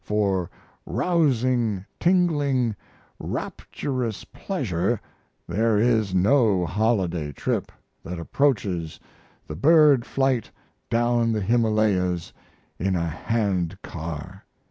For rousing, tingling, rapturous pleasure there is no holiday trip that approaches the bird flight down the Himalayas in a handcar.